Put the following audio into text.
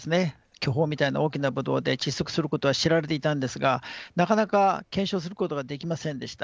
巨峰みたいな大きなブドウで窒息することは知られていたんですがなかなか検証することができませんでした。